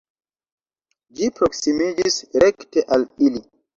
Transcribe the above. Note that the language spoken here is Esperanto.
Ĝi proksimiĝis rekte al ili.